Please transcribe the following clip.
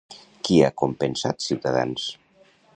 Qui ha compensat Ciutadans?